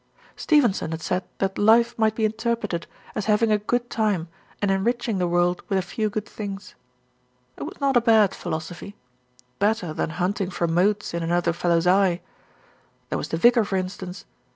Stevenson had said that life might be interpreted as having a good time and enriching the world with a few good things. It was not a bad philosophy; better than hunting for motes in another fellow's eye. There was the vicar, for instance.